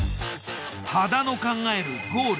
羽田の考えるゴール